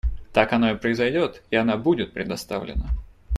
Так оно и произойдет, и она будет предоставлена.